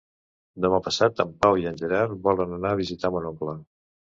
Demà passat en Pau i en Gerard volen anar a visitar mon oncle.